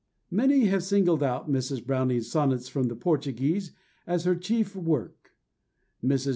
Many have singled out Mrs. Browning's Sonnets from the Portuguese as her chief work. Mrs.